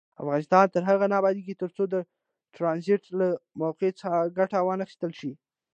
افغانستان تر هغو نه ابادیږي، ترڅو د ټرانزیټ له موقع څخه ګټه وانخیستل شي.